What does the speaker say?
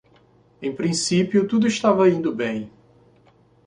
Em princípio, tudo estava indo bem.